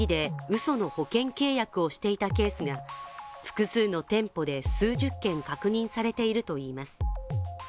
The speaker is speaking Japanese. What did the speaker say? その保険契約をしていたケースが複数の店舗で数十件確認されているといいます。